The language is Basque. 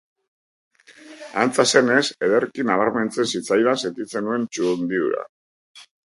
Antza zenez, ederki nabarmentzen zitzaidan sentitzen nuen txundidura.